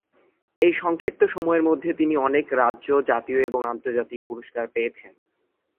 এই সংক্ষিপ্ত সময়ের মধ্যে তিনি অনেক রাজ্য, জাতীয় এবং আন্তর্জাতিক পুরস্কার পেয়েছেন।